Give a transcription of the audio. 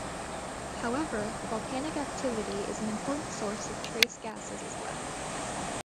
However, volcanic activity is an important source of trace gases as well.